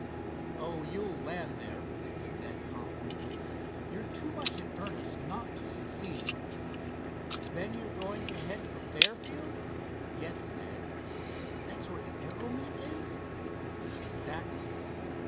"Oh, you'll land there," predicted Ned confidently. "You're too much in earnest not to succeed. Then you're going to head for Fairfield?" "Yes, Ned." "That's where the aero meet is?" "Exactly."